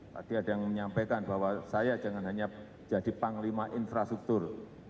tadi ada yang menyampaikan bahwa saya jangan hanya jadi panglima infrastruktur